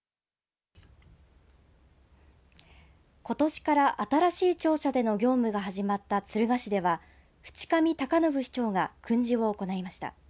ことしから新しい庁舎での業務が始まった敦賀市では渕上隆信市長が訓示を行いました。